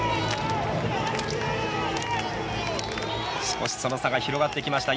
少し、その差が広がってきました。